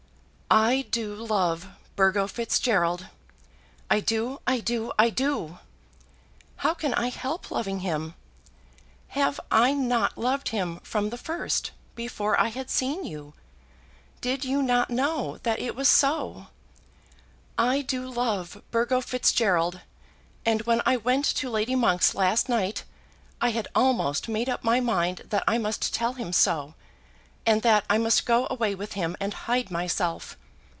I do love Burgo Fitzgerald. I do! I do! I do! How can I help loving him? Have I not loved him from the first, before I had seen you? Did you not know that it was so? I do love Burgo Fitzgerald, and when I went to Lady Monk's last night, I had almost made up my mind that I must tell him so, and that I must go away with him and hide myself.